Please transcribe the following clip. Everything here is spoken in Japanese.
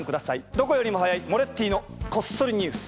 どこよりも早い「モレッティのこっそりニュース」。